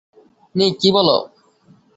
নিক কি বললো?